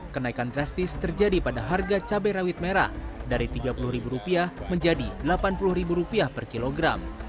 kenaikan drastis terjadi pada harga cabai rawit merah dari rp tiga puluh menjadi rp delapan puluh per kilogram